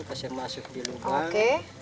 kasih masuk di lubang